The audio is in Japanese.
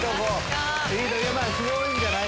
まぁすごいんじゃない？